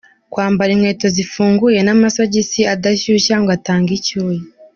Kwambara inkweto zifunguye n’amasogisi adashyuha ngo atange icyuya,.